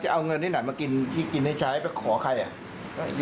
เอาเงินที่ไหนมากินที่กินให้ใช้ไปขอใครอ่ะ